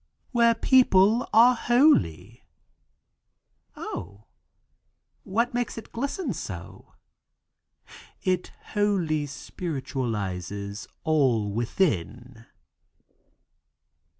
"Where people are holy." "O, what makes it glisten so?" "It holy spiritualizes all within."